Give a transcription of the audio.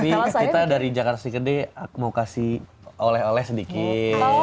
tapi kita dari jakarta sneaker day mau kasih oleh oleh sedikit